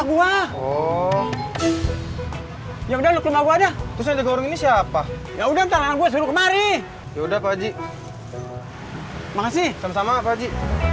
oh ya udah gua ada siapa ya udah ya udah pak haji makasih sama sama pak haji